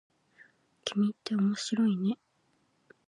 君って面白いね。